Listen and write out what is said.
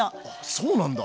そうなんだ！